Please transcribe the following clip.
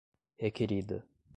Requerida